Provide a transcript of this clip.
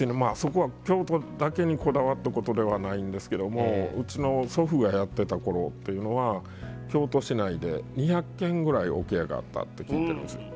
京都だけにこだわったことではないんですがうちの祖父がやっていたころというのは京都市内で２００軒ぐらい桶屋があったって聞いてるんですよ。